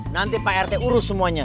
nanti pak rt urus semuanya